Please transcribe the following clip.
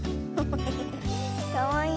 かわいい。